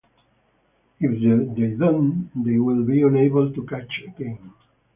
If they do not, they will be unable to catch game.